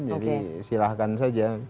jadi silahkan saja